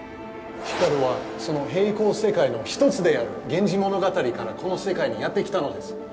光はその平行世界の一つである「源氏物語」からこの世界にやって来たのです。